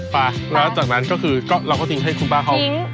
ไปแล้วจากนั้นก็คือเราก็ทิ้งให้คุณป้าเขา